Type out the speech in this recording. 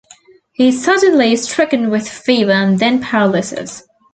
He is suddenly stricken with fever and then paralysis.